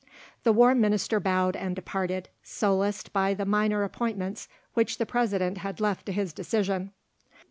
The War Minister bowed and departed, solaced by the minor appointments which the President had left to his decision.